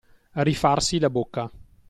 Rifarsi la bocca.